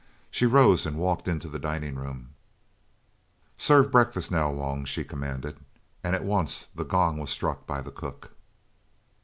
She rose and walked into the dining room. "Serve breakfast now, Wung," she commanded, and at once the gong was struck by the cook.